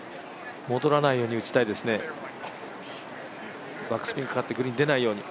戻らないように打ちたいですね、バックスピンかかってグリーン出ないように。